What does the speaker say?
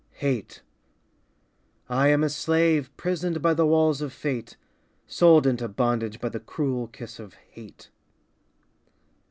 Hate I am a slave Prisoned by the walls of fate, Sold into bondage By the cruel kiss of hate.